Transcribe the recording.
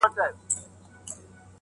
احساس هم کوي-